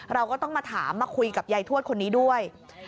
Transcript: เราก็ต้องมาถามมาคุยกับยายทวดคนนี้ด้วย